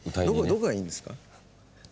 どこがいいんですか？